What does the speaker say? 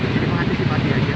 jadi menghati hati aja